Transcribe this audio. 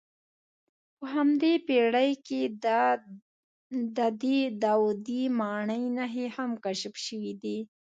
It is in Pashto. په همدې پېړۍ کې د دې داودي ماڼۍ نښې هم کشف شوې دي.